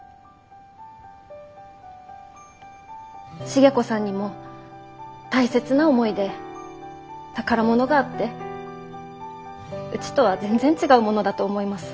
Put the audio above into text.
重子さんにも大切な思い出宝物があってうちとは全然違うものだと思います。